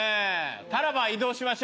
タラバ移動しましょう。